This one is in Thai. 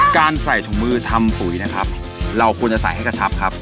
การใส่ถุงมือทำปุ๋ยนะครับเราควรจะใส่ให้กระชับครับ